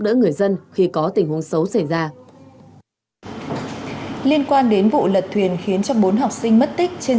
đỡ người dân khi có tình huống xấu xảy ra liên quan đến vụ lật thuyền khiến cho bốn học sinh mất tích trên